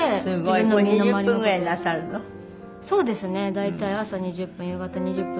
大体朝２０分夕方２０分を。